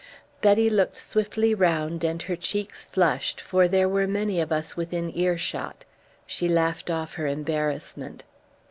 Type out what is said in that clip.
Betty looked swiftly round and her cheeks flushed, for there were many of us within earshot. She laughed off her embarrassment.